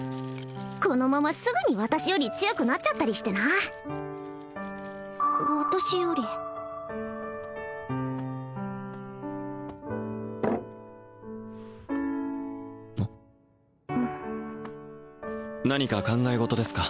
このまますぐに私より強くなっちゃったりしてな私よりあ何か考え事ですか？